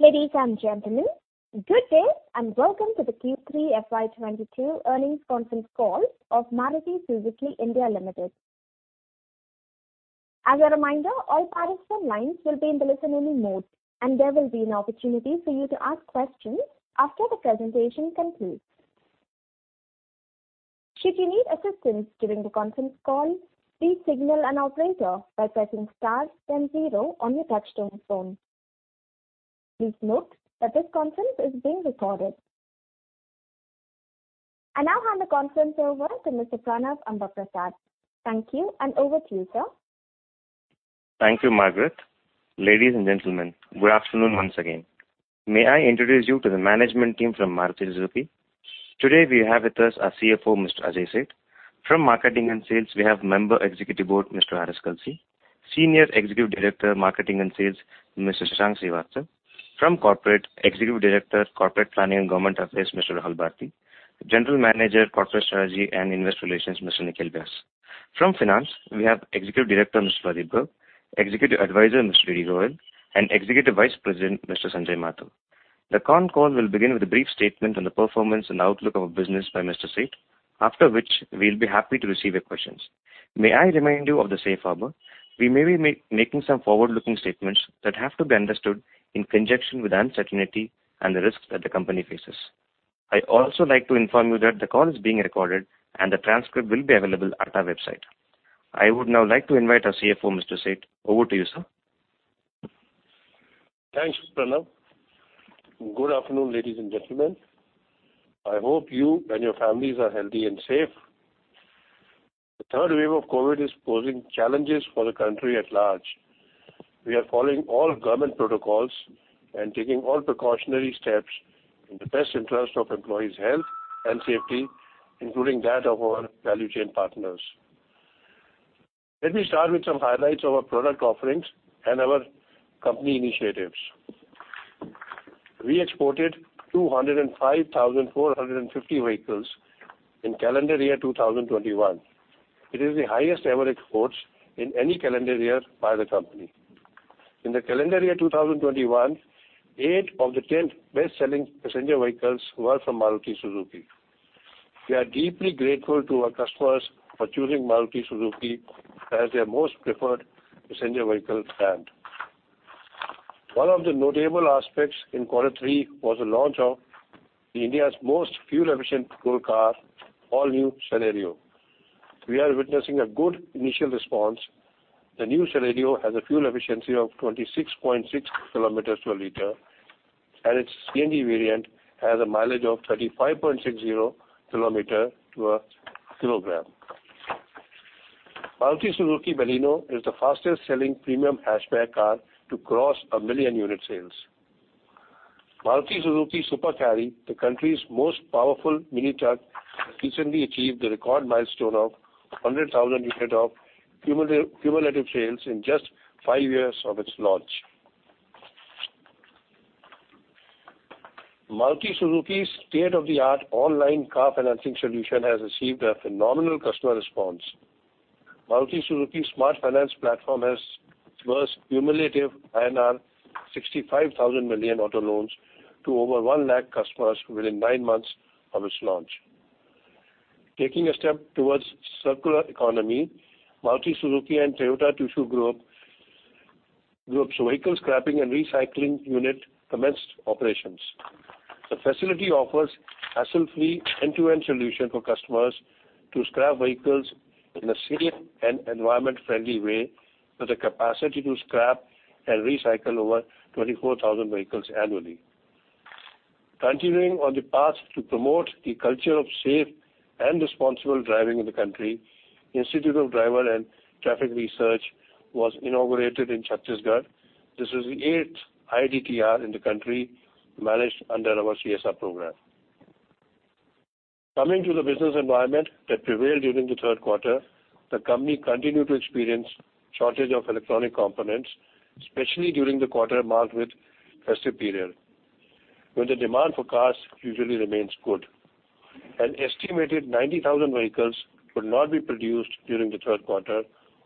Ladies and gentlemen, good day, and welcome to the Q3 FY 2022 earnings conference call of Maruti Suzuki India Limited. As a reminder, all participants' lines will be in the listen-only mode, and there will be an opportunity for you to ask questions after the presentation concludes. Should you need assistance during the conference call, please signal an operator by pressing star then zero on your touchtone phone. Please note that this conference is being recorded. I now hand the conference over to Mr. Pranav Ambaprasad. Thank you, and over to you, sir. Thank you, Margaret. Ladies and gentlemen, good afternoon once again. May I introduce you to the management team from Maruti Suzuki. Today we have with us our CFO, Mr. Ajay Seth. From Marketing and Sales, we have Member, Executive Board, Mr. RS Kalsi. Senior Executive Director, Marketing and Sales, Mr. Shashank Srivastava. From Corporate, Executive Director, Corporate Planning and Government Affairs, Mr. Rahul Bharti. General Manager, Corporate Strategy and Investor Relations, Mr. Nikhil Vyas. From Finance, we have Executive Director, Mr. Pradeep Garg, Executive Advisor, Mr. DD Goyal, and Executive Vice President, Mr. Sanjay Mathur. The con call will begin with a brief statement on the performance and outlook of our business by Mr. Seth, after which we'll be happy to receive your questions. May I remind you of the safe harbor. We may be making some forward-looking statements that have to be understood in conjunction with the uncertainty and the risks that the company faces. I would also like to inform you that the call is being recorded, and the transcript will be available at our website. I would now like to invite our CFO, Mr. Ajay Seth. Over to you, sir. Thanks, Pranav. Good afternoon, ladies and gentlemen. I hope you and your families are healthy and safe. The third wave of COVID is posing challenges for the country at large. We are following all government protocols and taking all precautionary steps in the best interest of employees' health and safety, including that of our value chain partners. Let me start with some highlights of our product offerings and our company initiatives. We exported 205,450 vehicles in calendar year 2021. It is the highest ever exports in any calendar year by the company. In the calendar year 2021, eight of the 10 best-selling passenger vehicles were from Maruti Suzuki. We are deeply grateful to our customers for choosing Maruti Suzuki as their most preferred passenger vehicle brand. One of the notable aspects in quarter three was the launch of India's most fuel-efficient small car, the all-new Celerio. We are witnessing a good initial response. The new Celerio has a fuel efficiency of 26.6 km/L, and its CNG variant has a mileage of 35.60 km/kg. Maruti Suzuki Baleno is the fastest-selling premium hatchback car to cross 1 million unit sales. Maruti Suzuki Super Carry, the country's most powerful mini truck, has recently achieved the record milestone of 100,000 units of cumulative sales in just five years of its launch. Maruti Suzuki's state-of-the-art online car financing solution has received a phenomenal customer response. Maruti Suzuki's Smart Finance platform has disbursed cumulative INR 65,000 million auto loans to over 1 lakh customers within nine months of its launch. Taking a step towards the circular economy, Maruti Suzuki and Toyota Tsusho Group. The group's vehicle scrapping and recycling unit commenced operations. The facility offers a hassle-free end-to-end solution for customers to scrap vehicles in a safe and environmentally friendly way with a capacity to scrap and recycle over 24,000 vehicles annually. Continuing on the path to promote the culture of safe and responsible driving in the country, the Institute of Driving and Traffic Research was inaugurated in Chhattisgarh. This was the eighth IDTR in the country, managed under our CSR program. Coming to the business environment that prevailed during the third quarter, the company continued to experience a shortage of electronic components, especially during by the quarter marked with festive period, when the demand for cars usually remains good. An estimated 90,000 vehicles could not be produced during the third quarter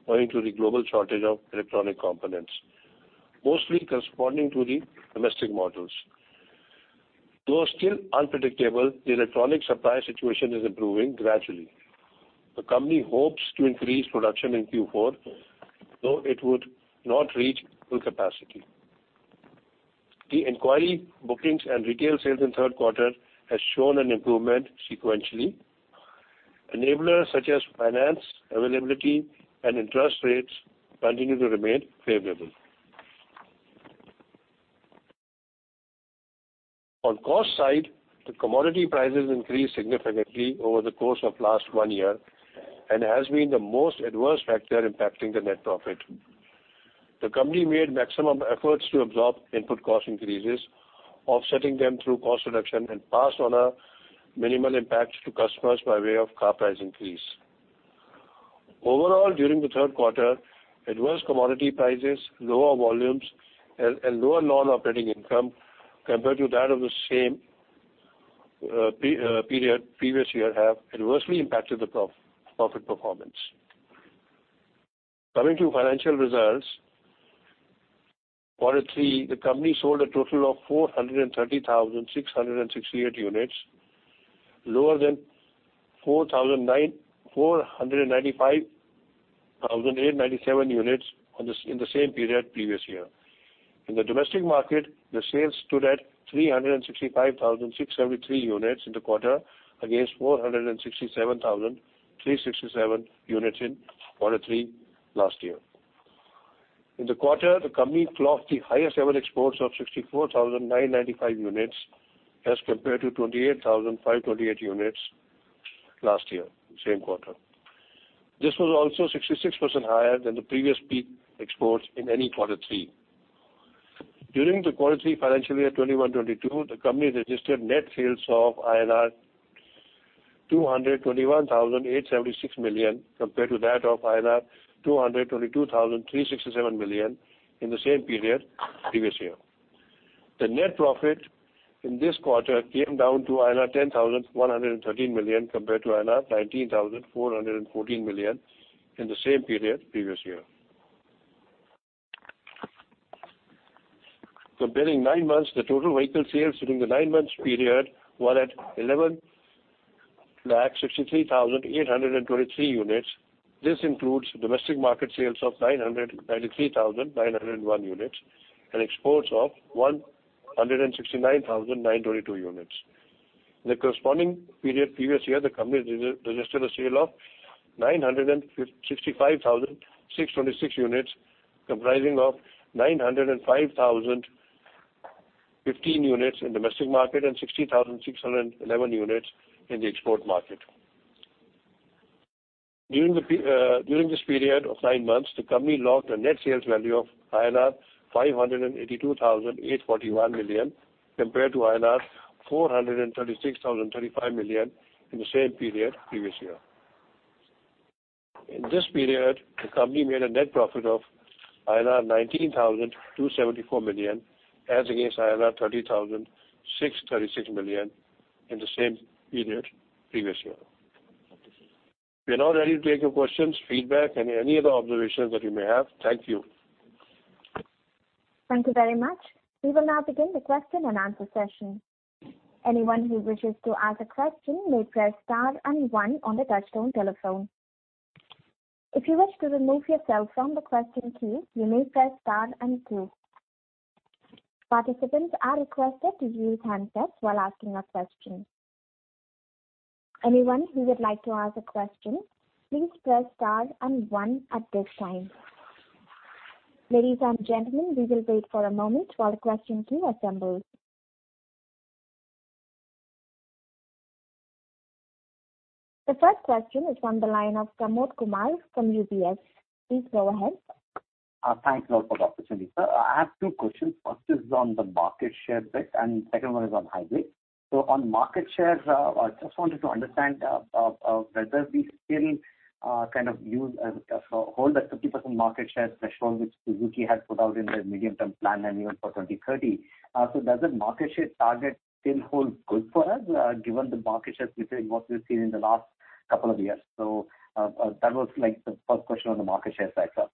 owing to the global shortage of electronic components, mostly corresponding to the domestic models. Though still unpredictable, the electronic supply situation is improving gradually. The company hopes to increase production in Q4, though it would not reach full capacity. The inquiry, bookings, and retail sales in the third quarter have shown an improvement sequentially. Enablers such as finance availability and interest rates continue to remain favorable. On the cost side, the commodity prices increased significantly over the course of the last year and have been the most adverse factor impacting the net profit. The company made maximum efforts to absorb input cost increases, offsetting them through cost reduction and passing on a minimal impact to customers by way of a car price increase. Overall, during the third quarter, adverse commodity prices, lower volumes, and lower non-operating income compared to the same period of the previous year have adversely impacted the profit performance. Coming to financial results. Quarter three, the company sold a total of 430,668 units, lower than 495,897 units in the same period of the previous year. In the domestic market, the sales stood at 365,673 units in the quarter against 467,367 units in quarter three last year. In the quarter, the company clocked the highest ever exports of 64,995 units as compared to 28,528 units last year, in the same quarter. This was also 66% higher than the previous peak exports in any Q3. During Q3 FY 2021-2022, the company registered net sales of INR 221,876 million compared to those of INR 222,367 million in the same period of the previous year. The net profit in this quarter came down to 10,113 million compared to 19,414 million in the same period of the previous year. Comparing nine months, the total vehicle sales during the nine-month period were at 1,163,823 units. This includes domestic market sales of 993,901 units and exports of 169,922 units. In the corresponding period of the previous year, the company registered a sale of 965,626 units, comprising 905,015 units in the domestic market and 60,611 units in the export market. During this period of nine months, the company logged a net sales value of INR 582,841 million compared to INR 436,035 million in the same period of the previous year. In this period, the company made a net profit of 19,274 million as against 30,636 million in the same period of the previous year. We are now ready to take your questions, feedback, and any other observations that you may have. Thank you. Thank you very much. We will now begin the question-and-answer session. Anyone who wishes to ask a question may press star and one on the touchtone telephone. If you wish to remove yourself from the question queue, you may press star and two. Participants are requested to mute their handsets while asking a question. Anyone who would like to ask a question, please press star and one at this time. Ladies and gentlemen, we will wait for a moment while the question queue assembles. The first question is from the line of Pramod Kumar from UBS. Please go ahead. Thanks a lot for the opportunity, sir. I have two questions. First is on the market share bit, and the second one is on hybrids. On market shares, I just wanted to understand whether we still kind of hold that 50% market share threshold that Suzuki has put out in their medium-term plan, and even for 2030. Does the market share target still hold good for us, given the market share we've seen, what we've seen in the last couple of years? That was, like, the first question on the market share side, sir.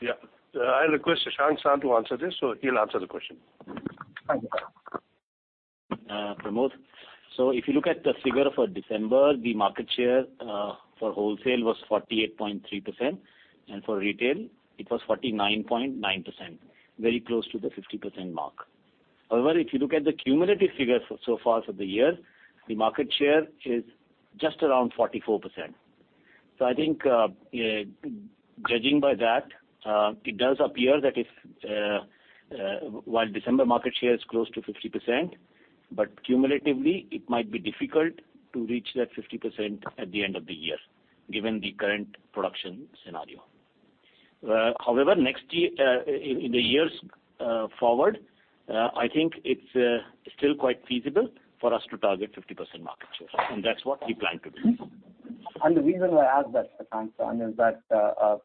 Yeah. I request Shashank, sir, to answer this, so he'll answer the question. Thank you, sir. Pramod. If you look at the figure for December, the market share for wholesale was 48.3%, and for retail it was 49.9%, very close to the 50% mark. However, if you look at the cumulative figures so far for the year, the market share is just around 44%. I think, judging by that, it does appear that while December market share is close to 50%, cumulatively, it might be difficult to reach that 50% at the end of the year, given the current production scenario. However, next year, in the years forward, I think it's still quite feasible for us to target 50% market share, and that's what we plan to do. The reason I ask that, Shashank, sir, is that there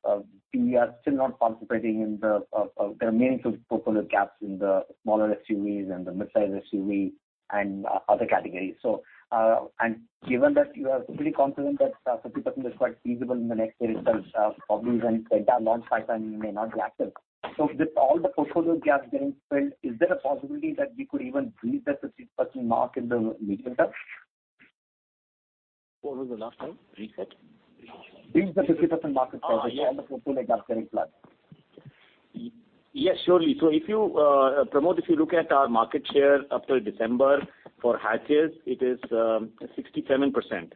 are meaningful portfolio gaps in the smaller SUVs, the midsize SUVs, and other categories. Given that you are pretty confident that 50% is quite feasible in the next three years, it's probably when Delta launches, and you may not be active. With all the portfolio gaps getting filled, is there a possibility that we could even breach that 50% mark in the medium term? What was the last one? Repeat. Breach the 50% market share. Oh, yeah. With all the portfolio gaps getting plugged. Yes, surely. If you, Pramod, look at our market share up till December for hatches, it is 67%. Yeah.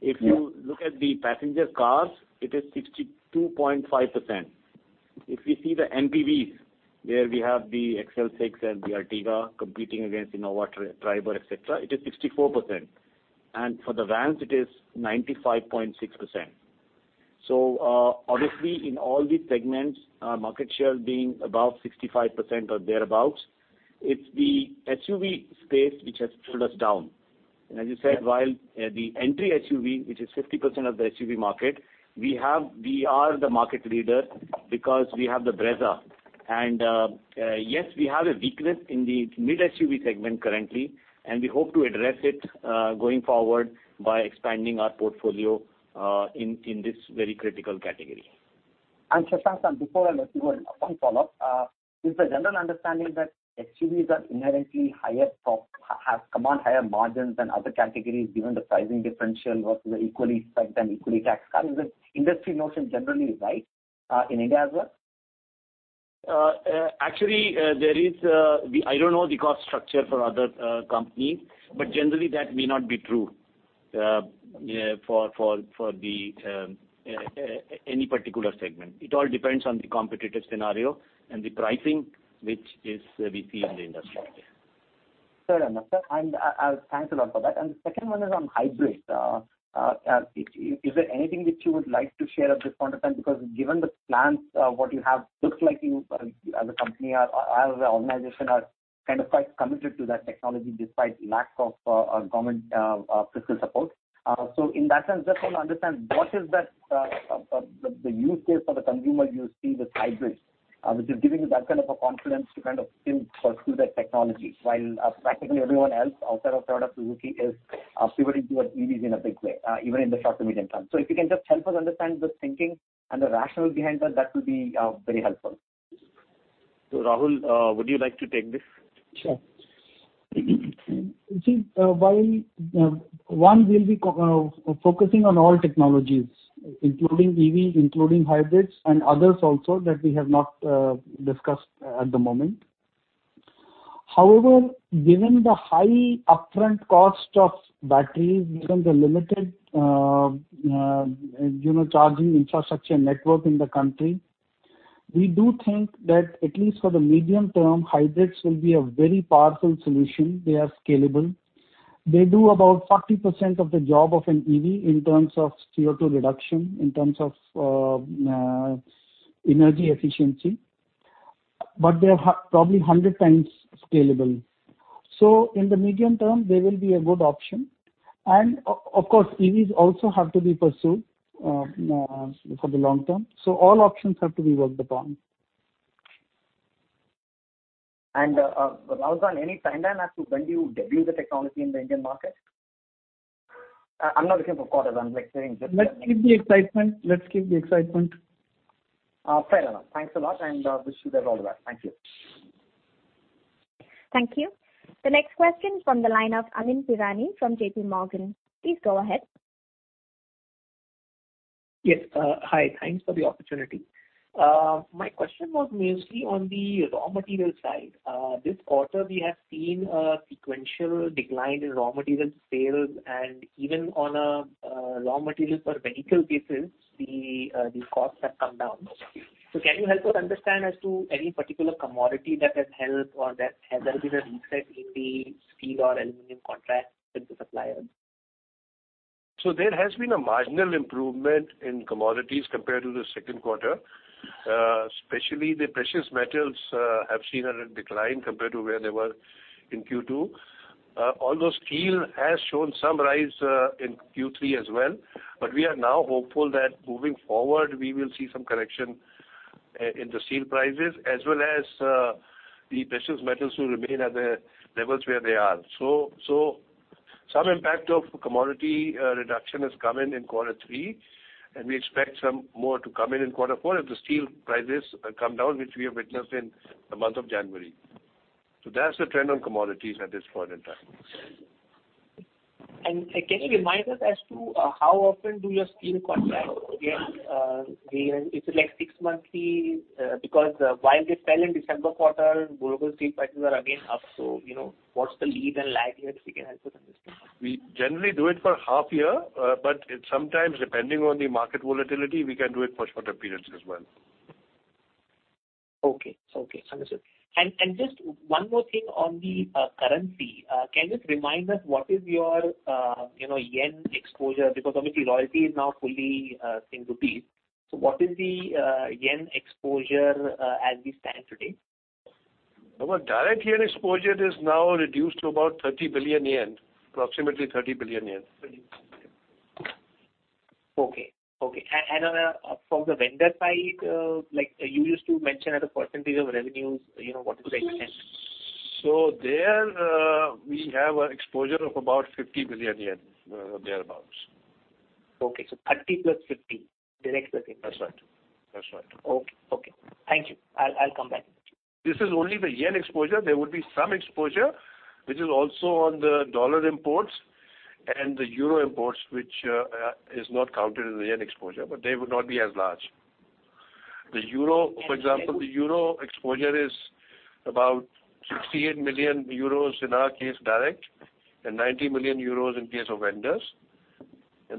If you look at the passenger cars, it is 62.5%. If we see the MPVs, where we have the XL6 and the Ertiga competing against Innova, Triber, et cetera, it is 64%. For the vans, it is 95.6%. Obviously, in all the segments, our market share being above 65% or thereabout, it's the SUV space that has pulled us down. As you said, while the entry SUV, which is 50% of the SUV market, we are the market leader because we have the Brezza. Yes, we have a weakness in the mid SUV segment currently, and we hope to address it going forward by expanding our portfolio in this very critical category. Shashank, and before I let you go, one follow-up. Is the general understanding that SUVs are inherently higher, have higher margins than other categories, given the pricing differential versus the equally spec-ed and equally taxed cars? Is this industry notion generally right, in India as well? Actually, I don't know the cost structure for other companies, but generally, that may not be true for any particular segment. It all depends on the competitive scenario and the pricing that we see in the industry. Fair enough, sir. Thanks a lot for that. The second one is on hybrids. Is there anything that you would like to share at this point in time? Given the plans you have, it looks like you, as a company or organization, are kind of quite committed to that technology despite the lack of government fiscal support. In that sense, I just want to understand what the use case is for the consumer you see with hybrids, which is giving you that kind of confidence to kind of still pursue that technology, while practically everyone else outside of Toyota, Suzuki is pivoting towards EVs in a big way, even in the short to medium term. If you can just help us understand the thinking and the rationale behind that, it will be very helpful. Rahul, would you like to take this? Sure. See, while we'll be focusing on all technologies, including EVs, hybrids, and others that we have not discussed at the moment. However, given the high upfront cost of batteries, given the limited, you know, charging infrastructure network in the country, we do think that at least for the medium term, hybrids will be a very powerful solution. They are scalable. They do about 40% of the job of an EV in terms of CO2 reduction, in terms of energy efficiency, but they are probably 100x scalable. In the medium term, they will be a good option. Of course, EVs also have to be pursued for the long term. All options have to be worked upon. Rahul, any timeline as to when you will debut the technology in the Indian market? I'm not looking for quarters. I'm like saying just- Let's keep the excitement. Fair enough. Thanks a lot, and wish you guys all the best. Thank you. Thank you. The next question is from Amyn Pirani from JPMorgan. Please go ahead. Yes. Hi. Thanks for the opportunity. My question was mainly on the raw material side. This quarter, we have seen a sequential decline in raw material sales, and even on a raw material per vehicle basis, the costs have come down. Can you help us understand as to any particular commodity that has helped or if there has been a reset in the steel or aluminum contract with the suppliers? There has been a marginal improvement in commodities compared to the second quarter, especially in precious metals, which have seen a decline compared to where they were in Q2. Although steel has shown some rise in Q3 as well. We are now hopeful that moving forward, we will see some correction in the steel prices, as well as the precious metals will remain at the levels where they are. Some impact of commodity reduction has come in in quarter three, and we expect some more to come in in quarter four if the steel prices come down, which we have witnessed in the month of January. That's the trend on commodities at this point in time. Can you remind us as to how often your steel contracts get renewed? Is it like six-monthly? Because while they fell in the December quarter, global steel prices are again up. You know, what's the lead and lag here, if you can help us understand? We generally do it for half a year. Sometimes, depending on the market volatility, we can do it for shorter periods as well. Okay. Understood. Just one more thing on the currency. Can you just remind us what your yen exposure is? Because obviously royalty is now fully in rupee. What is the yen exposure as we stand today? Our direct yen exposure is now reduced to about 30 billion yen. From the vendor side, like you used to mention as a percentage of revenues, you know, what is the percentage? There, we have an exposure of about 50 billion yen, thereabouts. Okay. 30 plus 50, direct plus indirect. That's right. That's right. Okay. Thank you. I'll come back. This is only the yen exposure. There would be some exposure, which is also on the dollar imports and the euro imports, which are not counted as a yen exposure, but they would not be as large. The euro, for example, the euro exposure is about 68 million euros in our case, direct, and 90 million euros in the case of vendors.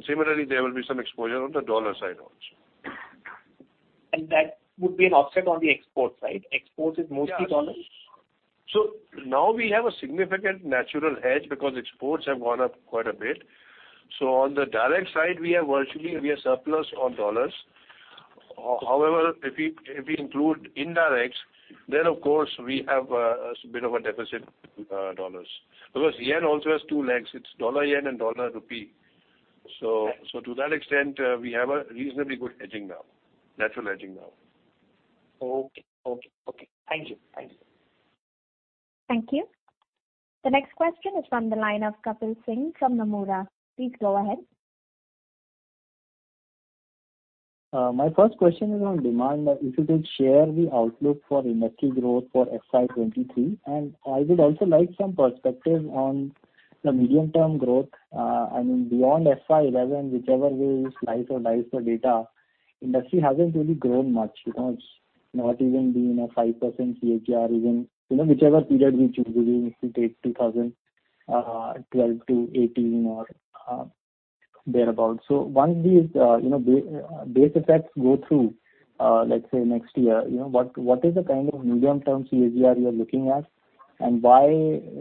Similarly, there will be some exposure on the dollar side also. That would be an offset on the exports, right? Exports are mostly in dollars. Now we have a significant natural hedge because exports have gone up quite a bit. On the direct side, we are virtually surplus on dollars. However, if we include indirects, then of course we have a bit of a deficit in dollars. Because a yen also has two legs. It's dollar/yen and dollar/rupee. So to that extent, we have a reasonably good hedging now, natural hedging now. Okay. Thank you. Thank you. The next question is from the line of Kapil Singh from Nomura. Please go ahead. My first question is on demand. If you could share the outlook for industry growth for FY 2023. I would also like some perspective on the medium-term growth, I mean, beyond FY 2011, whichever way you slice or dice the data, industry hasn't really grown much, you know. It's not even been a 5% CAGR, even, you know, whichever period we choose. If we take 2012-2018 or thereabouts. Once these base effects go through, let's say next year, you know, what is the kind of medium-term CAGR you are looking at, and why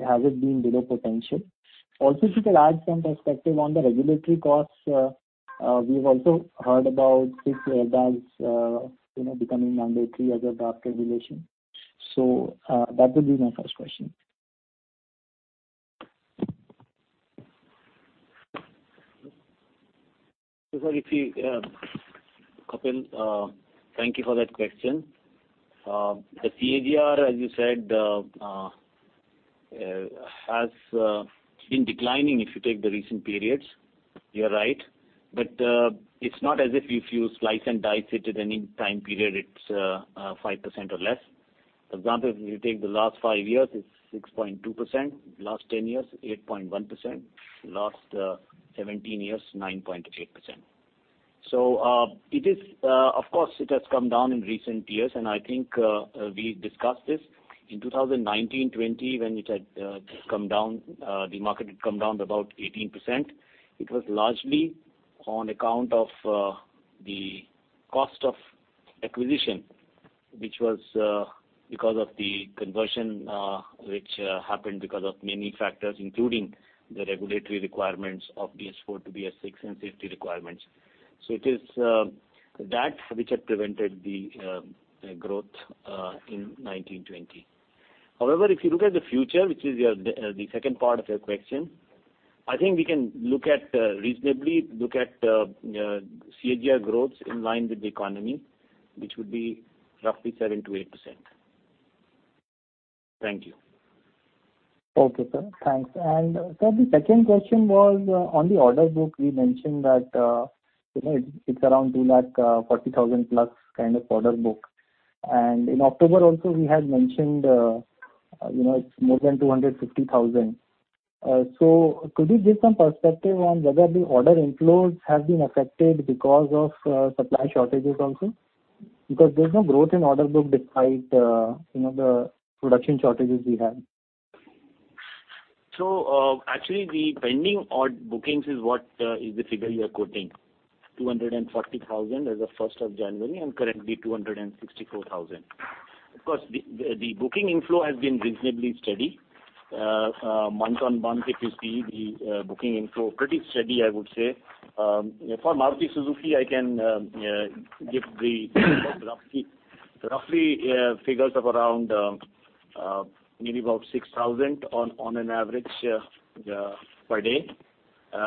has it been below potential? Also, if you could add some perspective on the regulatory costs. We've also heard about six airbags becoming mandatory as a draft regulation. That would be my first question. If you, Kapil, thank you for that question. The CAGR, as you said, has been declining if you take the recent periods. You're right. It's not as if you slice and dice it at any time period; it's 5% or less. For example, if you take the last five years, it's 6.2%. Last 10 years, 8.1%. Last 17 years, 9.8%. It is, of course, it has come down in recent years, and I think we discussed this. In 2019 and 2020, when it had come down, the market had come down about 18%, it was largely on account of the cost of acquisition, which was because of the conversion, which happened because of many factors, including the regulatory requirements of BS4 to BS6 and safety requirements. It is that which had prevented the growth in 2019 and 2020. However, if you look at the future, which is the second part of your question, I think we can reasonably look at CAGR growth in line with the economy, which would be roughly 7%-8%. Thank you. Okay, sir. Thanks. Sir, the second question was on the order book. We mentioned that, you know, it's around 2 lakh 40,000 plus kind of order book. In October, we also mentioned, you know, it's more than 250,000. Could you give some perspective on whether the order inflows have been affected because of supply shortages, also? Because there's no growth in the order book, despite, you know, the production shortages we have. Actually, the pending order bookings is what is the figure you are quoting, 240,000 as of January 1, and currently 264,000. Of course, the booking inflow has been reasonably steady. Month-on-month, if you see the booking inflow, pretty steady, I would say. For Maruti Suzuki, I can give roughly figures of around maybe about 6,000 on average per day. A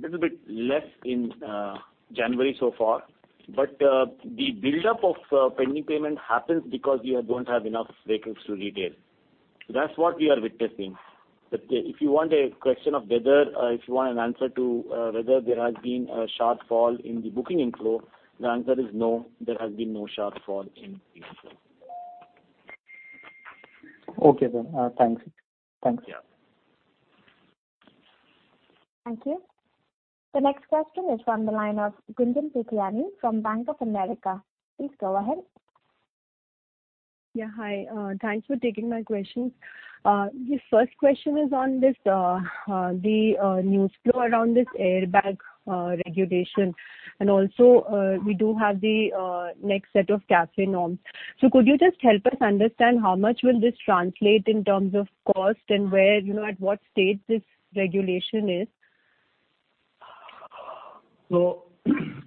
little bit less in January so far. The buildup of pending bookings happens because you don't have enough vehicles to retail. That's what we are witnessing. If you want an answer to whether there has been a shortfall in the booking inflow, the answer is no, there has been no shortfall in inflow. Okay, sir. Thanks. Yeah. Thank you. The next question is from the line of Gunjan Prithyani from Bank of America. Please go ahead. Yeah. Hi, thanks for taking my questions. The first question is about the news flow around this airbag regulation. Also, we do have the next set of CAFE norms. Could you just help us understand how much this will translate in terms of cost and where, you know, at what stage this regulation is?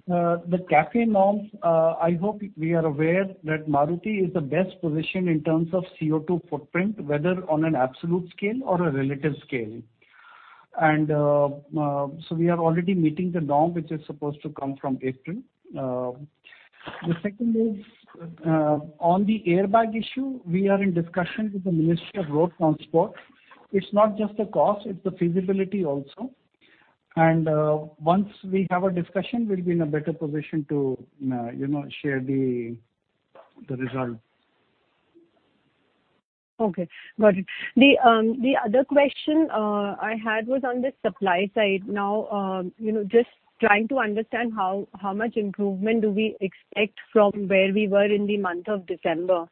The CAFE norms, I hope we are aware that Maruti is in the best position in terms of CO2 footprint, whether on an absolute scale or a relative scale. We are already meeting the norm, which is supposed to come from April. The second is, on the airbag issue, we are in discussion with the Ministry of Road Transport. It's not just the cost, it's the feasibility also. Once we have a discussion, we'll be in a better position to, you know, share the result. Okay, got it. The other question I had was on the supply side. Now, you know, just trying to understand how much improvement we expect from where we were in the month of December.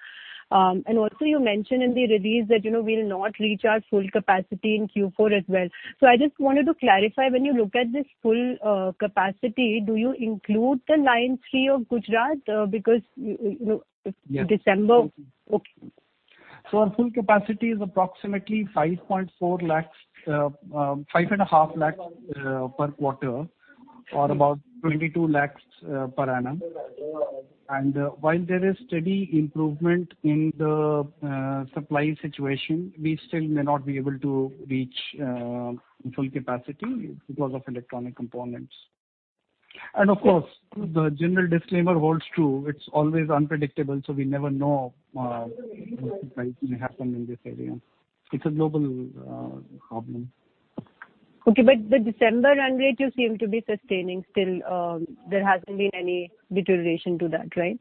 Also, you mentioned in the release that you know, we'll not reach our full capacity in Q4 as well. I just wanted to clarify, when you look at this full capacity, do you include the line three of Gujarat? Because you know- Yeah. -December- Mm-hmm. Okay. Our full capacity is approximately 5.4 lakhs, 5.5 lakhs per quarter, or about 22 lakhs per annum. While there is steady improvement in the supply situation, we still may not be able to reach full capacity because of electronic components. Of course, the general disclaimer holds true. It's always unpredictable, so we never know what is going to happen in this area. It's a global problem. Okay. The December run rate you seem to be sustaining still. There hasn't been any deterioration to that, right?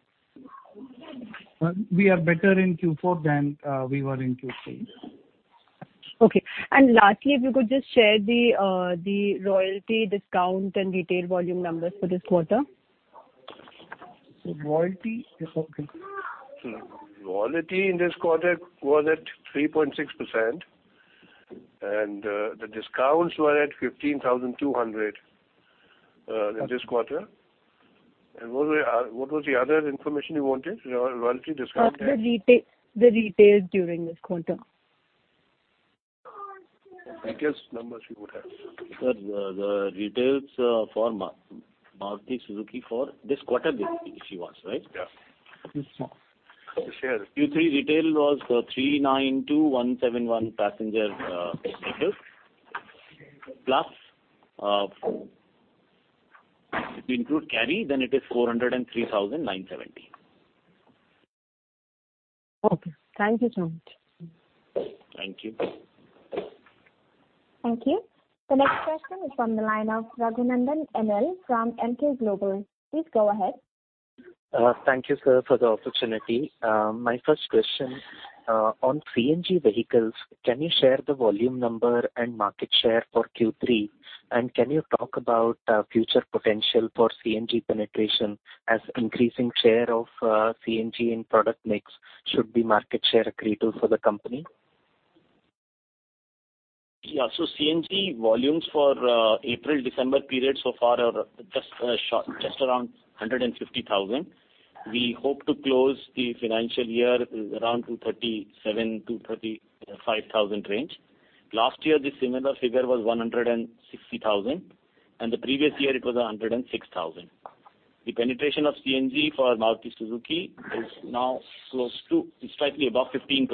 Well, we are better in Q4 than we were in Q3. Okay. Lastly, could you just share the royalty discount and retail volume numbers for this quarter? The royalty discount. Royalty in this quarter was at 3.6%, and the discounts were at 15,200 in this quarter. What was the other information you wanted? The retail sales during this quarter. The biggest numbers you would have. Sir, the retail for Maruti Suzuki for this quarter, she wants, right? Yeah. Share. Q3 retail was 392,171 passenger vehicles, plus if you include carry, then it is 403,970. Okay. Thank you so much. Thank you. Thank you. The next question is from the line of Raghunandhan NL from Emkay Global. Please go ahead. Thank you, sir, for the opportunity. My first question, on CNG vehicles, can you share the volume number and market share for Q3? Can you talk about the future potential for CNG penetration, as an increasing share of CNG in the product mix should be market share accretion for the company? Yeah. CNG volumes for the April-December period so far are just short, just around 150,000. We hope to close the financial year around the 237,000-235,000 range. Last year, the similar figure was 160,000, and the previous year it was 106,000. The penetration of CNG for Maruti Suzuki is now close to slightly above 15%.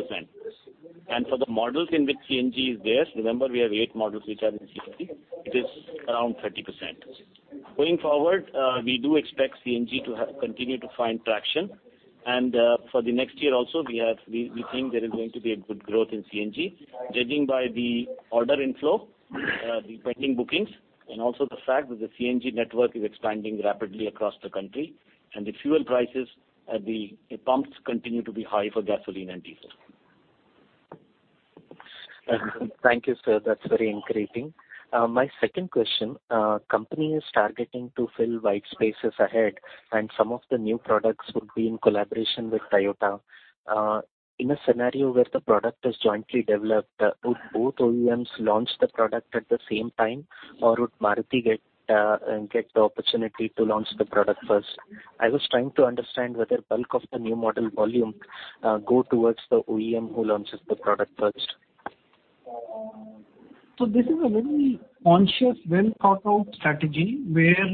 For the models in which CNG is present, remember we have eight models that are in CNG, it is around 30%. Going forward, we do expect CNG to continue to find traction. For the next year, we also think there is going to be a good growth in CNG, judging by the order inflow, the pending bookings, and also the fact that the CNG network is expanding rapidly across the country, and the fuel prices at the pumps continue to be high for gasoline and diesel. Thank you, sir. That's very encouraging. My second question. The company is targeting to fill white spaces ahead, and some of the new products would be in collaboration with Toyota. In a scenario where the product is jointly developed, would both OEMs launch the product at the same time, or would Maruti get the opportunity to launch the product first? I was trying to understand whether the bulk of the new model volume goes towards the OEM that launches the product first. This is a very conscious, well-thought-out strategy where,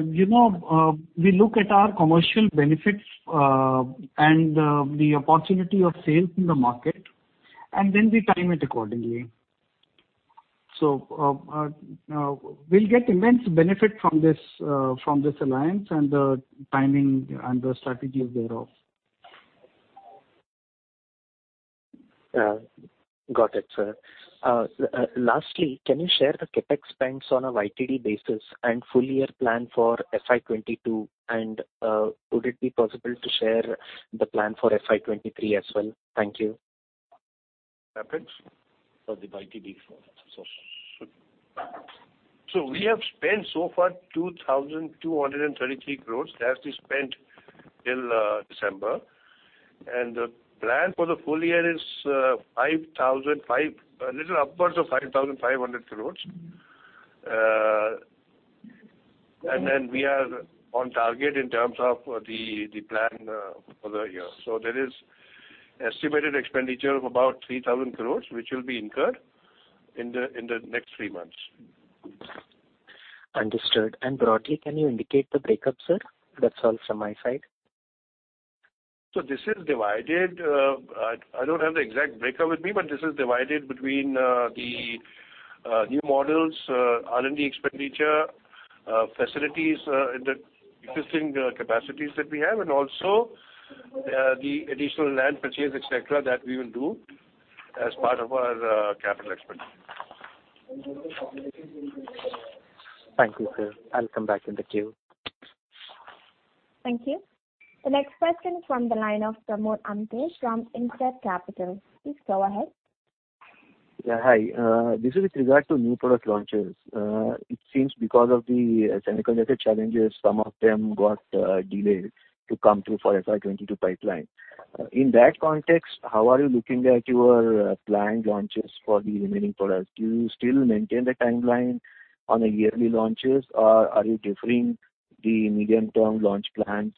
you know, we look at our commercial benefits, and the opportunity of sales in the market, and then we time it accordingly. We'll get immense benefit from this alliance and the timing and the strategies thereof. Yeah. Got it, sir. Lastly, can you share the CapEx spends on a YTD basis and full year plan for FY 2022? Would it be possible to share the plan for FY 2023 as well? Thank you. CapEx? For the YTD. We have spent so far 2,233 crore. That we spent till December. The plan for the full year is a little over 5,500 crore. We are on target in terms of the plan for the year. There is an estimated expenditure of about 3,000 crore, which will be incurred in the next three months. Understood. Broadly, can you indicate the breakup, sir? That's all from my side. I don't have the exact breakup with me, but this is divided between the new models, R&D expenditure, facilities in the existing capacities that we have, and also the additional land purchase, et cetera, that we will do as part of our capital expenditure. Thank you, sir. I'll come back in the queue. Thank you. The next question is from the line of Pramod Amthe from InCred Capital. Please go ahead. Yeah, hi. This is with regard to new product launches. It seems that because of the semiconductor challenges, some of them got delayed to come through for the FY 2022 pipeline. In that context, how are you looking at your planned launches for the remaining products? Do you still maintain the timeline on yearly launches, or are you deferring the medium-term launch plans,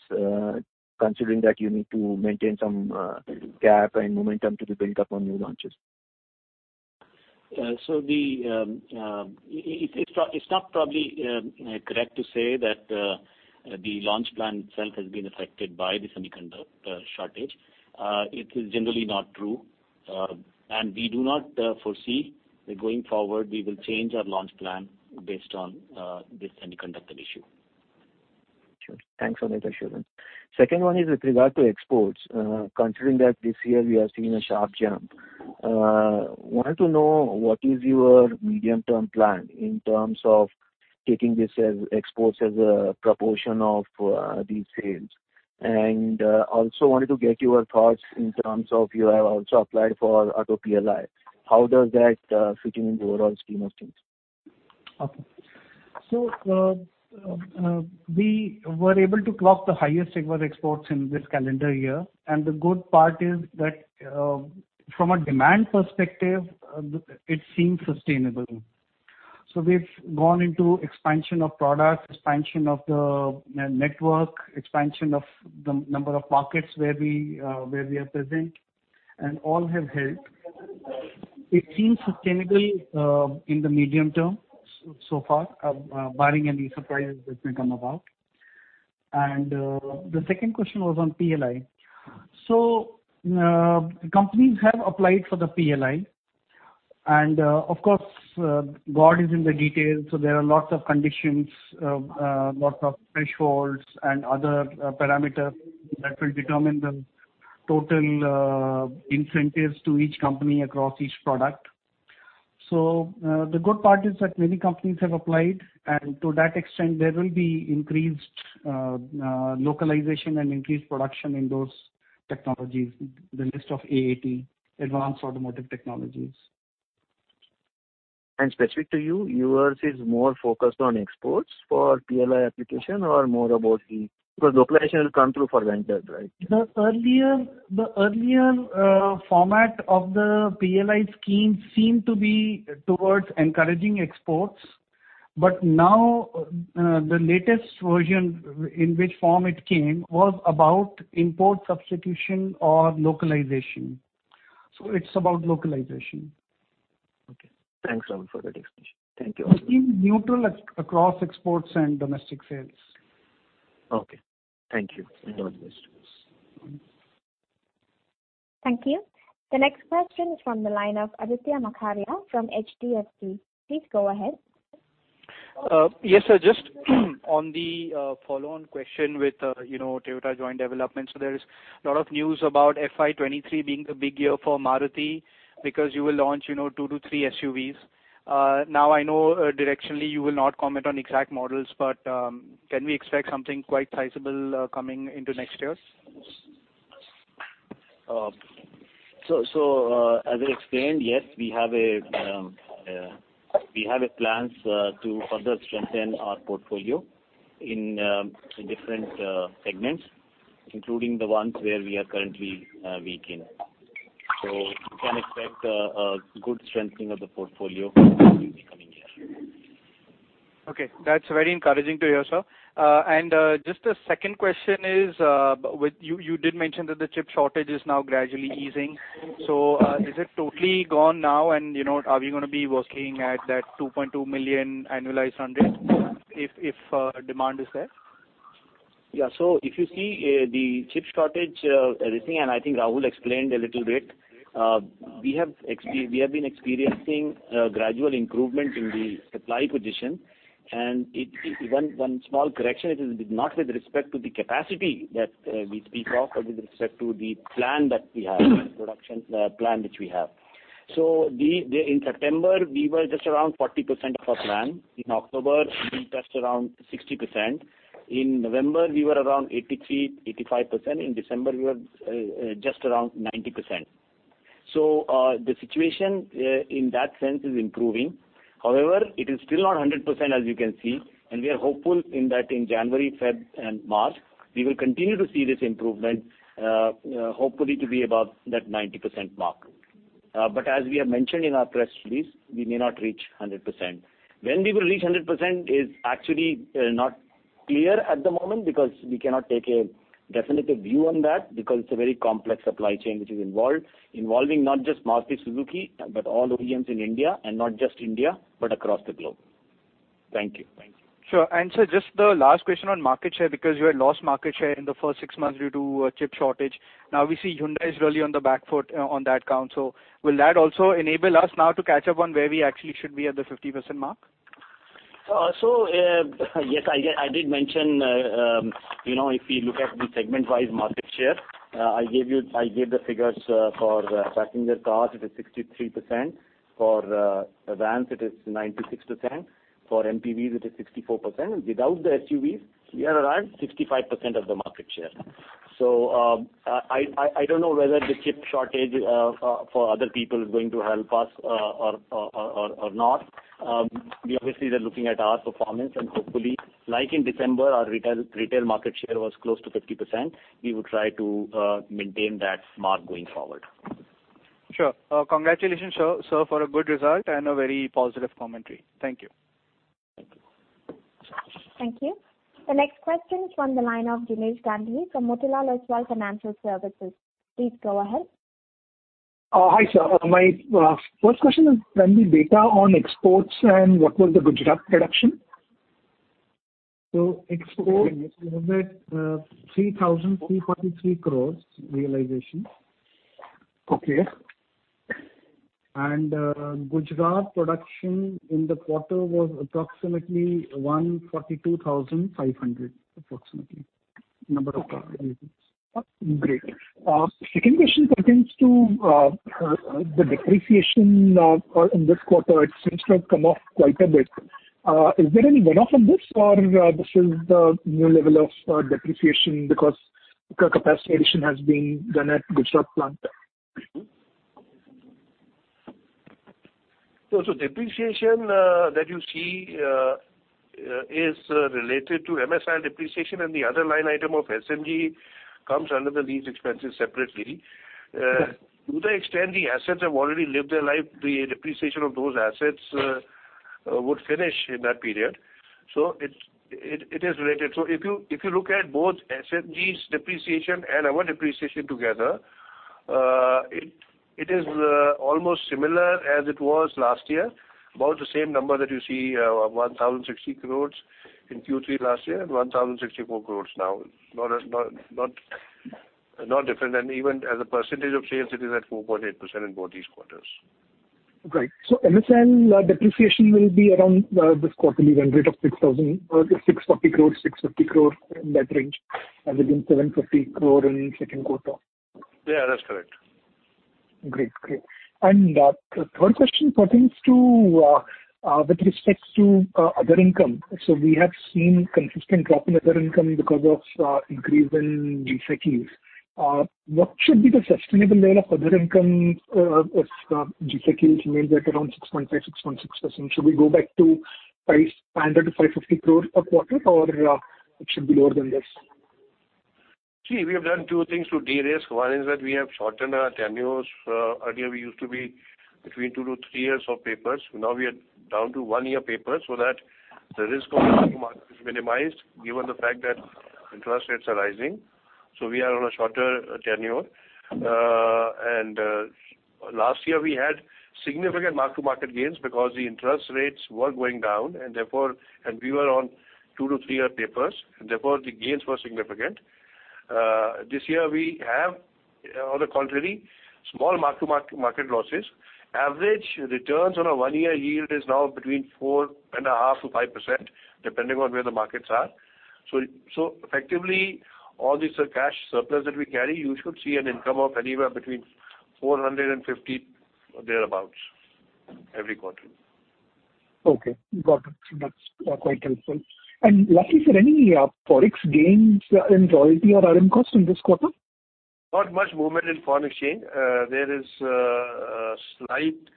considering that you need to maintain some gap and momentum to be built up on new launches? It's probably not correct to say that the launch plan itself has been affected by the semiconductor shortage. It is generally not true. We do not foresee that going forward we will change our launch plan based on this semiconductor issue. Sure. Thanks for that assurance. The second one is with regard to exports. Considering that this year we are seeing a sharp jump, I wanted to know what your medium-term plan is in terms of taking this as exports as a proportion of these sales. Also wanted to get your thoughts on whether you have also applied for Auto PLI. How does that fit in the overall scheme of things? Okay. We were able to clock the highest ever exports in this calendar year. The good part is that, from a demand perspective, it seems sustainable. We've gone into expansion of products, expansion of the network, expansion of the number of markets where we are present, and all have helped. It seems sustainable in the medium term so far, barring any surprises that may come about. The second question was on PLI. Companies have applied for the PLI. Of course, God is in the details, so there are lots of conditions, lots of thresholds,, and other parameters that will determine the total incentives to each company across each product. The good part is that many companies have applied, and to that extent, there will be increased localization and increased production in those technologies, the list of AAT, Advanced Automotive Technologies. Specific to you, yours is more focused on exports for PLI application or more about the localization because localization will come through foreign direct, right? The earlier format of the PLI scheme seemed to be towards encouraging exports. Now, the latest version in which form it came, was about import substitution or localization. It's about localization. Okay. Thanks, Rahul, for that explanation. Thank you. The scheme is neutral across exports and domestic sales. Okay. Thank you. Mm-hmm. Thank you. The next question is from the line of Aditya Makharia from HDFC. Please go ahead. Yes, sir. Just on the follow-on question, with you know, Toyota joint development. There is a lot of news about FY 2023 being a big year for Maruti because you will launch, you know, two to three SUVs. Now I know directionally you will not comment on exact models, but can we expect something quite sizable coming into next year? As I explained, yes, we have plans to further strengthen our portfolio in different segments, including the ones where we are currently weak. You can expect a good strengthening of the portfolio in the coming year. Okay. That's very encouraging to hear, sir. Just a second question is, you did mention that the chip shortage is now gradually easing. Is it totally gone now, and, you know, are we gonna be working at that 2.2 million annualized run rate if demand is there? Yeah. If you see, the chip shortage, everything, and I think Rahul explained a little bit, we have been experiencing a gradual improvement in the supply position. One small correction, it is not with respect to the capacity that we speak of, but with respect to the plan that we have, the production plan which we have. In September, we were just around 40% of our plan. In October, we were just around 60%. In November, we were around 83%-85%. In December, we were just around 90%. The situation in that sense is improving. However, it is still not 100% as you can see, and we are hopeful that in January, February, and March, we will continue to see this improvement, hopefully to be above that 90% mark. As we have mentioned in our press release, we may not reach 100%. When we will reach 100% is actually not clear at the moment because we cannot take a definitive view on that, because it's a very complex supply chain, which is involved, involving not just Maruti Suzuki, but all OEMs in India, and not just India, but across the globe. Thank you. Thank you. Sure. Sir, just the last question on market share, because you had lost market share in the first six months due to the chip shortage. Now we see Hyundai is really on the back foot on that count. Will that also enable us now to catch up on where we actually should be at the 50% mark? Yes, I did mention, you know, if we look at the segment-wise market share, I gave you the figures for passenger cars, it is 63%. For vans, it is 96%. For MPVs, it is 64%. Without the SUVs, we are around 65% of the market share. I don't know whether the chip shortage for other people is going to help us or not. We obviously are looking at our performance, and hopefully, like in December, our retail market share was close to 50%. We would try to maintain that mark going forward. Sure. Congratulations, sir, on a good result and a very positive commentary. Thank you. Thank you. The next question is from the line of Jinesh Gandhi from Motilal Oswal Financial Services. Please go ahead. Hi, sir. My first question is on the data on exports, and what was the Gujarat production? Export, INR 3,343 crores realization. Okay. Gujarat production in the quarter was approximately 142,500, approximately. Number of car units. Great. The second question pertains to the depreciation in this quarter. It seems to have come off quite a bit. Is there any one-off on this, or is this the new level of depreciation because capacity addition has been done at the Gujarat plant? The depreciation that you see is related to MSIL depreciation, and the other line item of SMG comes under the lease expenses separately. To the extent the assets have already lived their life, the depreciation of those assets would finish in that period. It is related. If you look at both SMG's depreciation and our depreciation together, it is almost similar as it was last year. About the same number that you see, 1,060 crore in Q3 last year, and 1,064 crore now. Not different. Even as a percentage of sales, it is at 4.8% in both these quarters. MSIL depreciation will be around this quarterly run rate of 650 crore in that range, and within 750 crore in the second quarter. Yeah, that's correct. The third question pertains to other income. We have seen a consistent drop in other income because of an increase in G-Sec yields. What should be the sustainable level of other income if G-Sec yields remain around 6.5%, 6.6%? Should we go back to 500 crore-550 crore per quarter, or should it be lower than this? See, we have done two things to de-risk. One is that we have shortened our tenures. Earlier, we used to be between two to three-year papers. Now we are down to a one-year paper, so that the risk of mark-to-market is minimized given the fact that interest rates are rising. We are on a shorter tenure. Last year, we had significant mark-to-market gains because the interest rates were going down, and therefore, we were on two to three-year papers, and therefore, the gains were significant. This year we have, on the contrary, small mark-to-market losses. Average returns on a one-year yield are now between 4.5%-5%, depending on where the markets are. Effectively, all these are cash surpluses that we carry. You should see an income of anywhere between 450, or thereabouts, every quarter. Okay, got it. That's quite helpful. Lastly, sir, any Forex gains in royalty or RM costs in this quarter? Not much movement in foreign exchange. There is a slight improvement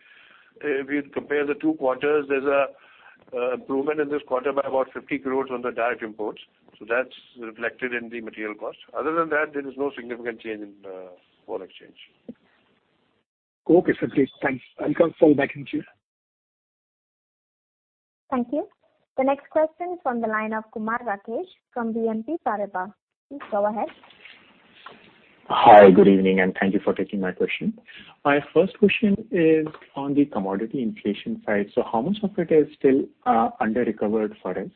if you compare the two quarters. There's an improvement in this quarter by about 50 crores on the direct imports, so that's reflected in the material cost. Other than that, there is no significant change in foreign exchange. Okay, sir. Please. Thanks. I'll come back in the queue. Thank you. The next question is from the line of Kumar Rakesh from BNP Paribas. Please go ahead. Hi, good evening, and thank you for taking my question. My first question is on the commodity inflation side. How much of it is still under-recovered for us?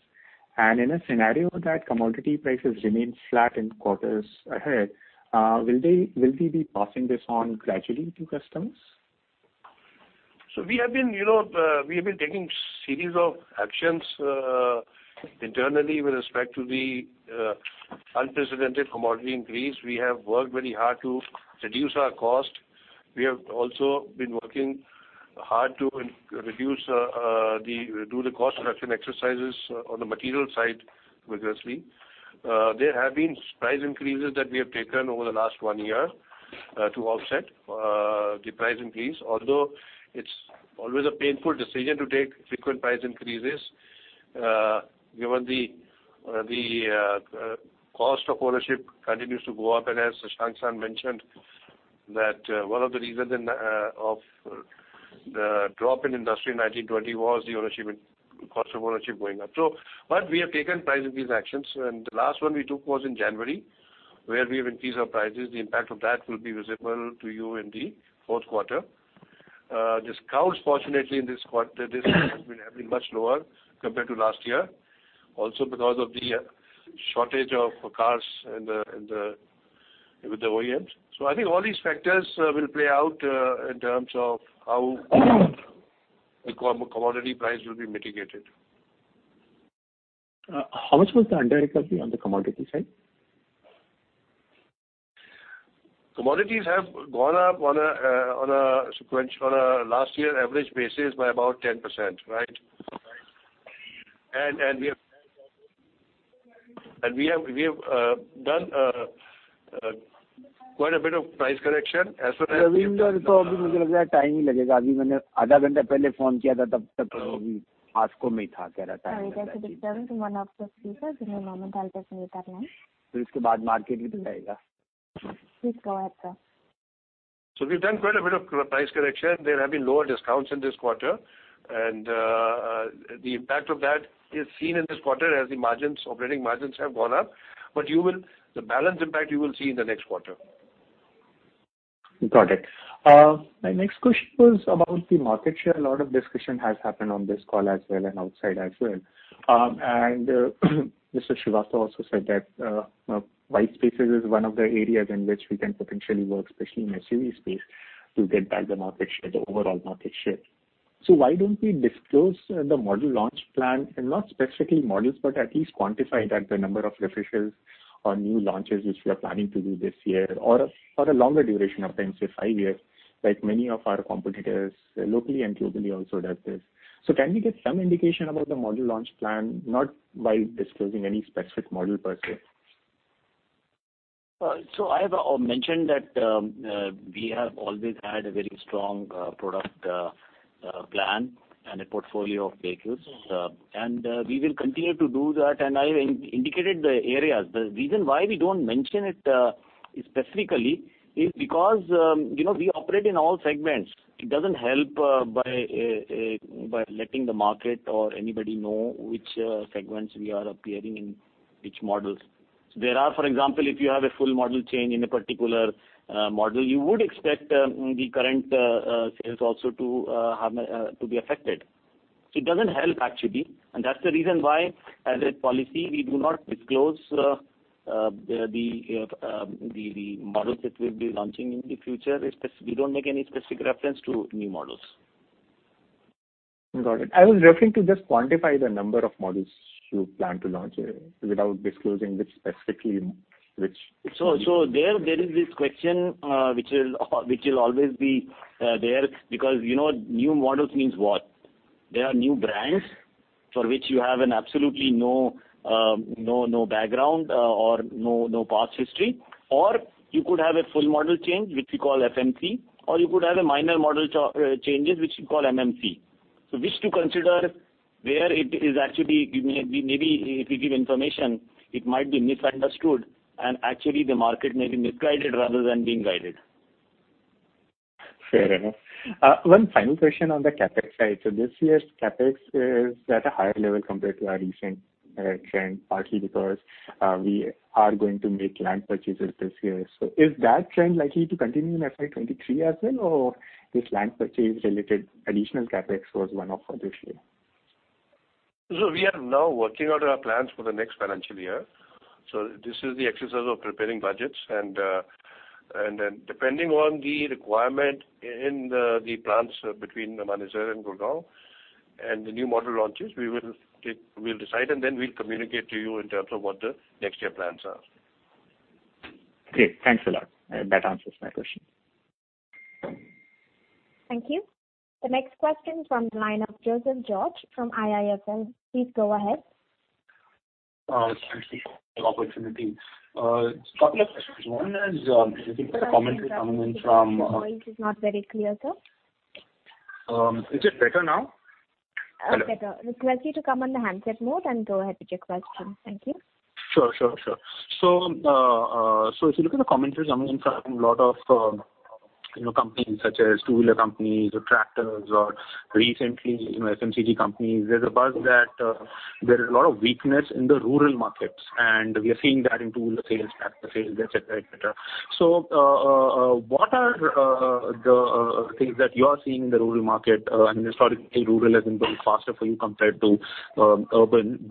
In a scenario where commodity prices remain flat in the quarters ahead, will we be passing this on gradually to customers? We have been, you know, taking a series of actions internally with respect to the unprecedented commodity increase. We have worked very hard to reduce our costs. We have also been working hard to reduce the cost reduction exercises on the material side vigorously. There have been price increases that we have taken over the last year to offset the price increase. Although it's always a painful decision to take frequent price increases, given that the cost of ownership continues to go up. As Shashank mentioned, one of the reasons for the drop in industry in 19-20 was the cost of ownership going up. We have taken price increase actions, and the last one we took was in January, where we increased our prices. The impact of that will be visible to you in the fourth quarter. Discounts, fortunately, in this quarter have been much lower compared to last year, also because of the shortage of cars with the OEMs. I think all these factors will play out in terms of how the commodity price will be mitigated. How much was the under-recovery on the commodity side? Commodities have gone up on a sequential, on a last year average basis by about 10%, right? We have done quite a bit of price correction. There have been lower discounts in this quarter, and the impact of that is seen in this quarter as the operating margins have gone up. You will see the balance impact in the next quarter. Got it. My next question was about the market share. A lot of discussion has happened on this call as well, and outside as well. Mr. Srivastava also said that white spaces are one of the areas in which we can potentially work, especially in the SUV space, to get back the market share, the overall market share. Why don't we disclose the model launch plan, and not specifically models, but at least quantify that the number of refreshes or new launches that we are planning to do this year, or a longer duration of time, say five years, like many of our competitors locally and globally also do this. Can we get some indication about the model launch plan, not by disclosing any specific model per se? I have mentioned that we have always had a very strong product plan and a portfolio of vehicles, and we will continue to do that. I indicated the areas. The reason why we don't mention it specifically is that you know, we operate in all segments. It doesn't help by letting the market or anybody know which segments we are appearing in which models. There are, for example, if you have a full model change in a particular model, you would expect the current sales also to be affected. It doesn't help actually, and that's the reason why, as a policy, we do not disclose the models that we'll be launching in the future. We don't make any specific reference to new models. Got it. I was referring to just quantifying the number of models you plan to launch without disclosing which specifically, which- There is this question which will always be there because, you know, new models mean what? There are new brands for which you have absolutely no background or no past history. You could have a full model change, which we call FMC, or you could have a minor model change, which we call MMC. Which to consider where it is actually, you know, maybe if we give information, it might be misunderstood, and actually, the market may be misguided rather than being guided. Fair enough. One final question on the CapEx side. This year's CapEx is at a higher level compared to our recent trend, partly because we are going to make land purchases this year. Is that trend likely to continue in FY 2023 as well, or is this land purchase-related additional CapEx a one-off for this year? We are now working out our plans for the next financial year. This is the exercise of preparing budgets and then depending on the requirement in the plants between Manesar and Gurgaon and the new model launches, we'll decide, and then we'll communicate to you in terms of what the next year's plans are. Great. Thanks a lot. That answers my question. Thank you. The next question is from Joseph George from IIFL. Please go ahead. Thanks for the opportunity. A couple of questions. One is, I think, the commentary coming in from Sorry, your voice is not very clear, sir. Is it better now? Hello? Better. Would you like to come on the handset mode and go ahead with your question? Thank you. Sure. If you look at the commentaries coming in from a lot of, you know, companies such as two-wheeler companies or tractors or recently, you know, FMCG companies, there's a buzz that there is a lot of weakness in the rural markets, and we are seeing that in two-wheeler sales, tractor sales, et cetera. What are the things that you are seeing in the rural market? I mean, historically, rural areas have been growing faster for you compared to urban.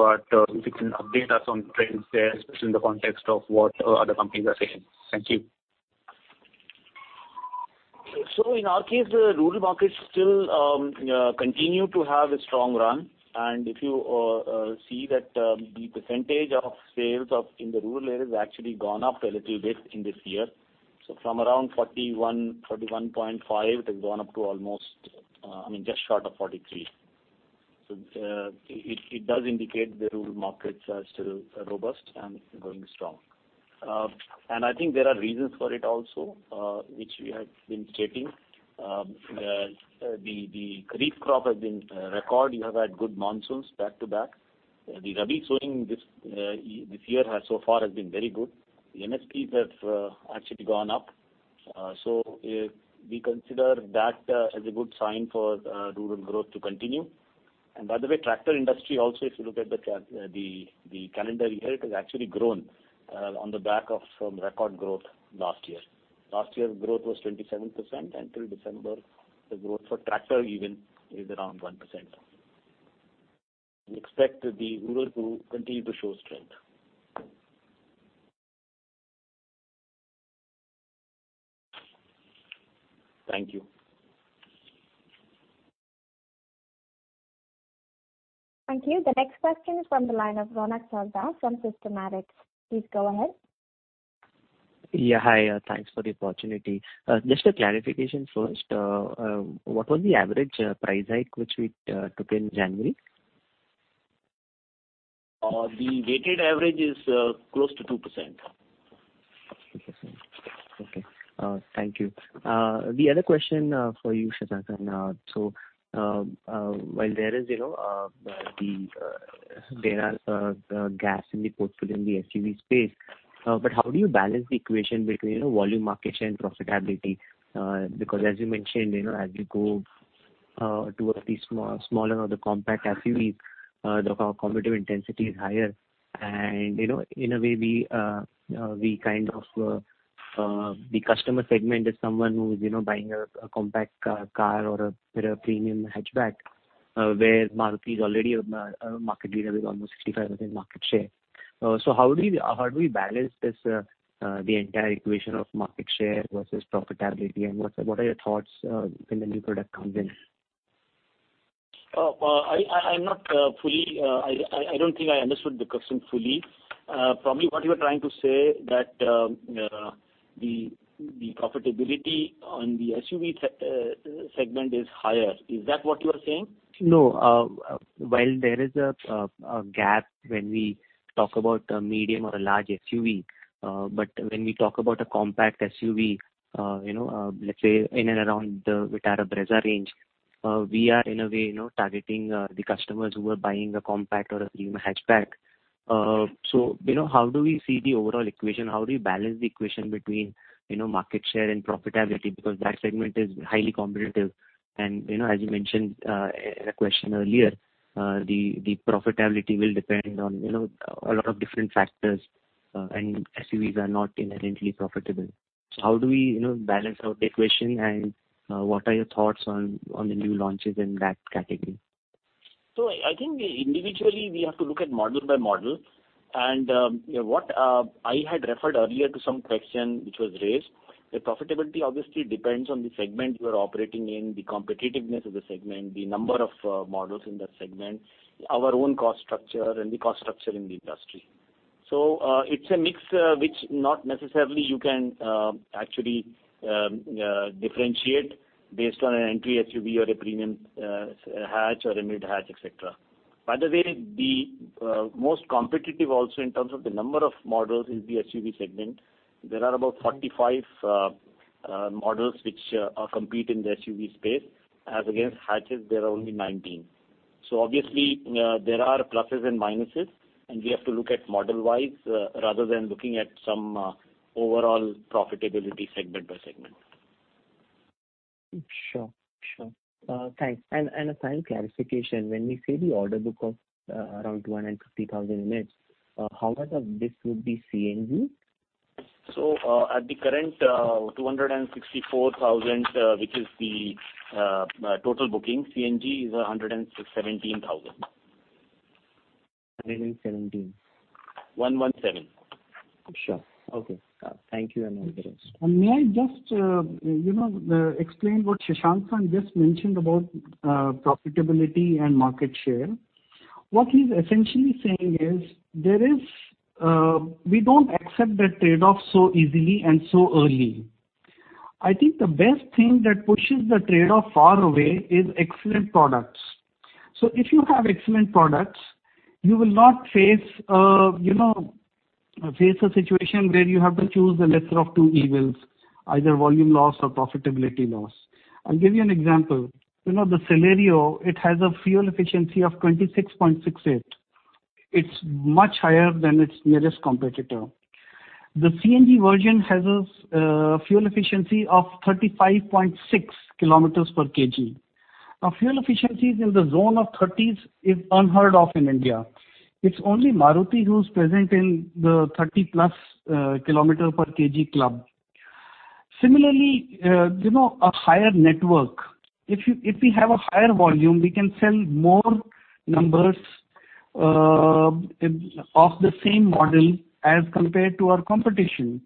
If you can update us on trends there, especially in the context of what other companies are saying. Thank you. In our case, the rural markets still continue to have a strong run. If you see that, the percentage of sales in the rural areas has actually gone up a little bit this year. From around 41.5%, it has gone up to almost, I mean, just short of 43%. It does indicate the rural markets are still robust and going strong. I think there are reasons for it also, which we have been stating. The kharif crop has been a record. You have had good monsoons back-to-back. The rabi sowing this year has so far been very good. The MSPs have actually gone up. We consider that as a good sign for rural growth to continue. By the way, the tractor industry also, if you look at the calendar year, has actually grown on the back of some record growth last year. Last year's growth was 27%. Until December, the growth for tractors is around 1%. We expect the rural to continue to show strength. Thank you. Thank you. The next question is from the line of Ronak Sarda from Systematix. Please go ahead. Yeah. Hi. Thanks for the opportunity. Just a clarification first. What was the average price hike that we took in January? The weighted average is close to 2%. 2%. Okay. Thank you. The other question for you, Shashank. While there are, you know, gaps in the portfolio in the SUV space- How do you balance the equation between, you know, volume market share and profitability? Because as you mentioned, you know, as you go towards the smaller or the compact SUVs, the competitive intensity is higher and, you know, in a way we kind of the customer segment is someone who is, you know, buying a compact car or a bit of premium hatchback, where Maruti is already a market leader with almost 65% market share. How do we balance this in the entire equation of market share versus profitability, and what are your thoughts when the new product comes in? I don't think I understood the question fully. Probably what you are trying to say is that the profitability in the SUV segment is higher. Is that what you are saying? No. While there is a gap when we talk about a medium or a large SUV, when we talk about a compact SUV, you know, let's say in and around the Vitara Brezza range, we are, in a way, you know, targeting the customers who are buying a compact or a premium hatchback. You know, how do we see the overall equation? How do you balance the equation between, you know, market share and profitability? Because that segment is highly competitive and, you know, as you mentioned in a question earlier, the profitability will depend on, you know, a lot of different factors, and SUVs are not inherently profitable. How do we, you know, balance out the equation, and what are your thoughts on the new launches in that category? I think individually we have to look at model by model, and I had referred earlier to some questions that were raised. The profitability obviously depends on the segment you are operating in, the competitiveness of the segment, the number of models in that segment, our own cost structure, and the cost structure in the industry. It's a mix, which you cannot necessarily actually differentiate based on an entry SUV, or a premium hatch, or a mid hatch, et cetera. By the way, the most competitive segment in terms of the number of models is the SUV segment. There are about 45 models that compete in the SUV space, as against hatches, there are only 19. Obviously, there are pluses and minuses, and we have to look at the model-wise rather than looking at some overall profitability segment by segment. Sure. Thanks. A final clarification. When we say the order book is around 250,000 units, how much of this would be CNG? At the current 264,000, which is the total booking, CNG is 117,000. 117. 117. Sure. Okay. Thank you. Over to May I just, you know, explain what Shashank just mentioned about profitability and market share? What he's essentially saying is we don't accept that trade-off so easily and so early. I think the best thing that pushes the trade-off far away is excellent products. If you have excellent products, you will not face a situation where you have to choose the lesser of two evils, either volume loss or profitability loss. I'll give you an example. You know the Celerio, it has a fuel efficiency of 26.68. It's much higher than its nearest competitor. The CNG version has a fuel efficiency of 35.6 km/kg. Now, fuel efficiencies in the zone of 30s are unheard of in India. It's only Maruti that's present in the 30+ km/kg club. Similarly, you know, a higher network. If we have a higher volume, we can sell more of the same model as compared to our competition.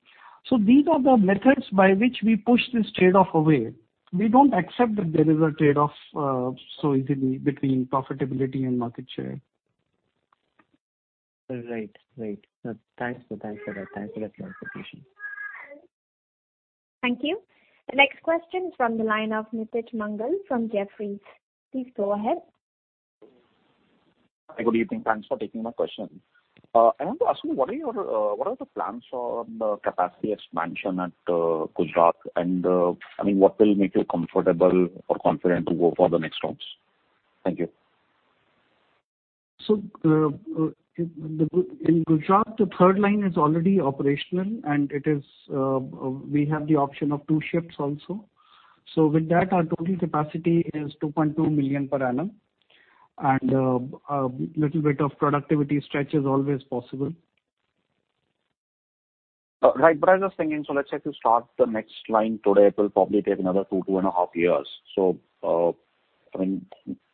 These are the methods by which we push this trade-off away. We don't accept that there is a trade-off so easily between profitability and market share. Right. Thanks for that. Thanks for that clarification. Thank you. The next question from the line of Nitij Mangal from Jefferies. Please go ahead. Good evening. Thanks for taking my question. I want to ask you, what are the plans for the capacity expansion in Gujarat? I mean, what will make you comfortable or confident to go for the next steps? Thank you. In Gujarat, the third line is already operational, and it is, we have the option of two shifts also. With that, our total capacity is 2.2 million per annum. A little bit of productivity stretch is always possible. Right. I was just thinking, so let's say if you start the next line today, it will probably take another two and a half years. I mean,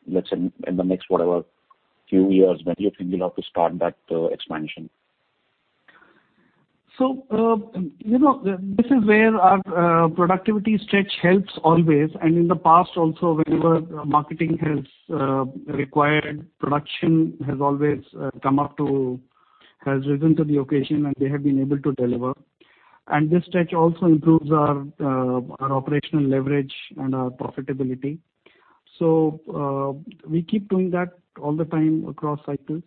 let's say in the next, whatever, few years, when do you think you'll have to start that expansion? You know, this is where our productivity stretch always helps. In the past, whenever marketing has required production, it has always risen to the occasion, and they have been able to deliver. This stretch also improves our operational leverage and our profitability. We keep doing that all the time across cycles.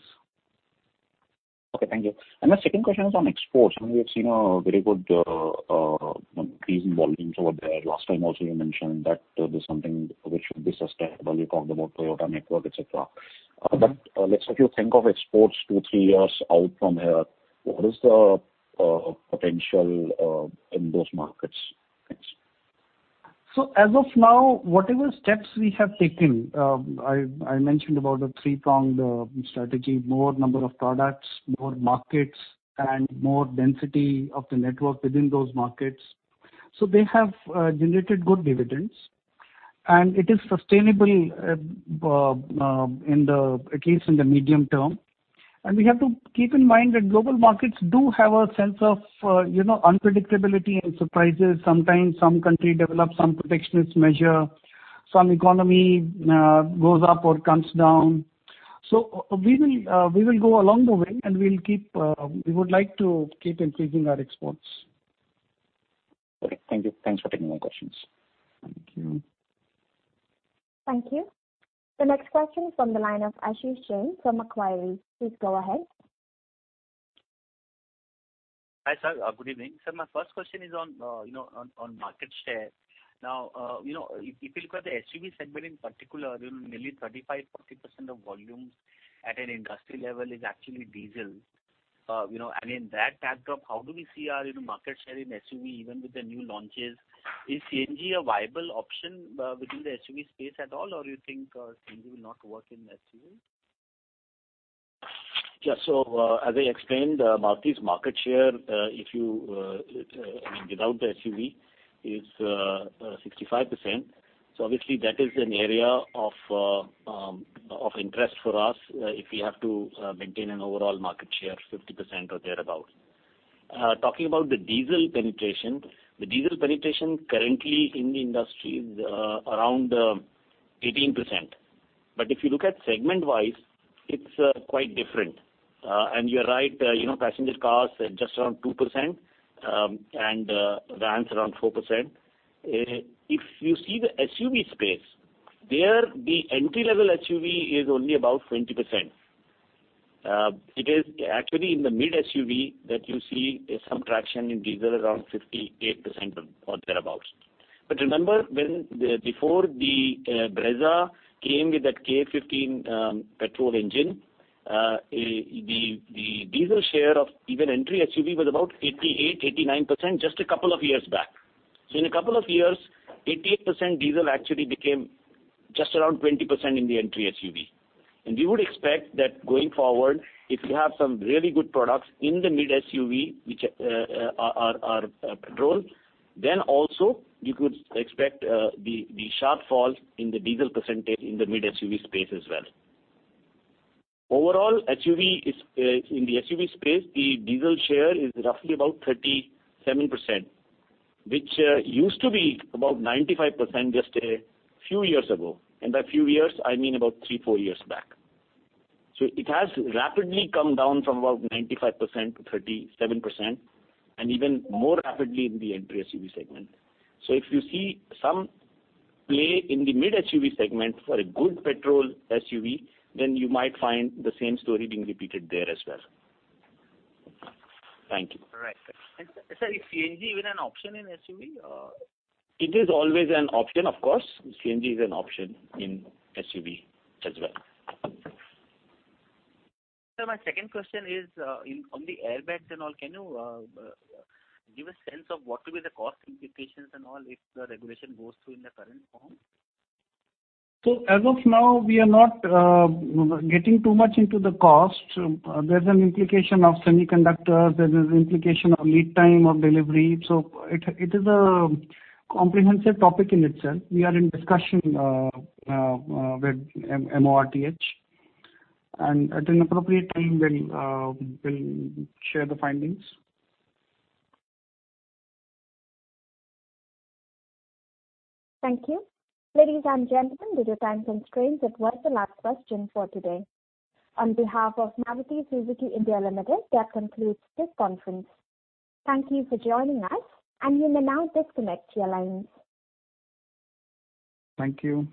Okay, thank you. My second question is on exports. I mean, we have seen a very good, you know, increase in volumes over there. Last time, you also mentioned that this is something that should be sustainable. You talked about the Toyota network, et cetera. Let's say if you think of exports two, three years out from here, what is the potential in those markets? As of now, whatever steps we have taken, I mentioned the three-pronged strategy: more products, more markets, and more density of the network within those markets. They have generated good dividends, and it is sustainable, at least in the medium term. We have to keep in mind that global markets do have a sense of, you know, unpredictability and surprises. Sometimes, a country develops some protectionist measures, and some economies go up, or come down. We will go along the way, and we'll keep, we would like to keep increasing our exports. Okay. Thank you. Thanks for taking my questions. Thank you. Thank you. The next question is from the line of Ashish Jain from Macquarie. Please go ahead. Hi, sir. Good evening. Sir, my first question is on market share. Now, you know, if you look at the SUV segment in particular, you know, nearly 35%-40% of volumes at an industry level is actually diesel. You know, in that backdrop, how do we see our, you know, market share in SUVs even with the new launches? Is CNG a viable option within the SUV space at all, or do you think CNG will not work in SUVs? Yeah. As I explained, Maruti's market share, if I mean without the SUV, is 65%. Obviously, that is an area of interest for us if we have to maintain an overall market share 50% or thereabout. Talking about the diesel penetration. The diesel penetration currently in the industry is around 18%. But if you look at segment-wise, it's quite different. You're right, you know, passenger cars are just around 2%, and vans around 4%. If you see the SUV space, the entry-level SUV is only about 20%. It is actually in the mid SUV that you see some traction in diesel around 58% or thereabout. Remember when the Brezza came with that K15 petrol engine, the diesel share of even entry SUVs was about 88-89% just a couple of years back. In a couple of years, 88% diesel actually became just around 20% in the entry SUV. We would expect that going forward, if we have some really good products in the mid SUV, which are petrol, then you could also expect the sharp fall in the diesel percentage in the mid SUV space as well. Overall, in the SUV space, the diesel share is roughly about 37%, which used to be about 95% just a few years ago. By a few years, I mean about three to four years back. It has rapidly come down from about 95% to 37% and even more rapidly in the entry SUV segment. If you see some play in the mid SUV segment for a good petrol SUV, then you might find the same story being repeated there as well. Thank you. All right. Sir, is CNG even an option in SUV or? It is always an option, of course. CNG is an option in SUV as well. Sir, my second question is, on the airbags and all, can you give a sense of what will be the cost implications and all if the regulation goes through in the current form? As of now we are not getting too much into the cost. There's an implication of semiconductors, there's an implication of lead time of delivery. It is a comprehensive topic in itself. We are in discussion with MoRTH. At an appropriate time we'll share the findings. Thank you. Ladies and gentlemen, due to time constraints, that was the last question for today. On behalf of Maruti Suzuki India Limited, that concludes this conference. Thank you for joining us, and you may now disconnect your lines. Thank you.